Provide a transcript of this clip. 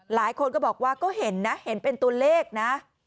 หลายคนก็บอกว่าก็เห็นนะเห็นเป็นตัวเลขนะ